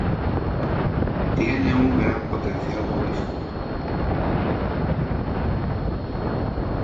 Tiene un gran potencial turístico.